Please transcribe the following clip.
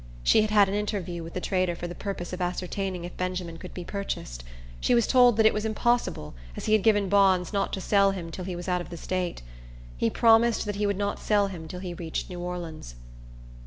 She had had an interview with the trader for the purpose of ascertaining if Benjamin could be purchased. She was told it was impossible, as he had given bonds not to sell him till he was out of the state. He promised that he would not sell him till he reached New Orleans.